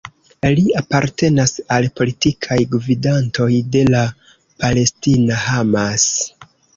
Li apartenas al politikaj gvidantoj de la palestina Hamas.